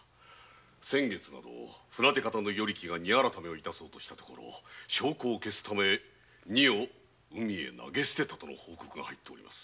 先月など船手方の与力が荷改めを致そうとしたところ証拠を消すため荷を海へ投げ捨てたとの報告が入っております。